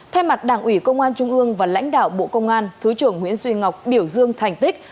thay mặt đảng ủy công an trung ương và lãnh đạo bộ công an thứ trưởng nguyễn duy ngọc biểu dương thành tích